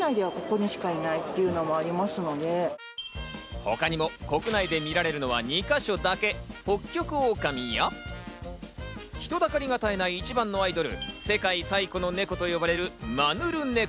他にも国内で見られるのは２か所だけ、ホッキョクオオカミや、人だかりが絶えない一番のアイドル、世界最古の猫と呼ばれるマヌルネコ。